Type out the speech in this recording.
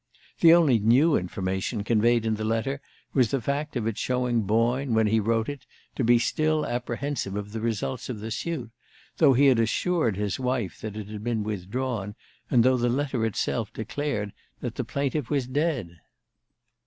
The only new information conveyed in the letter was the fact of its showing Boyne, when he wrote it, to be still apprehensive of the results of the suit, though he had assured his wife that it had been withdrawn, and though the letter itself declared that the plaintiff was dead.